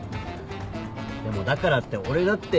でもだからって俺だっていうのは。